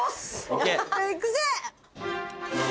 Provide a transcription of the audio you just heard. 行くぜ！